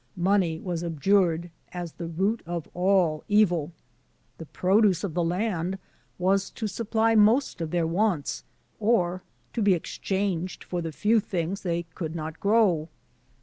Money was abjured, as the root of all evil. The produce of the land was to supply most of their wants, or be exchanged for the few things they could not grow.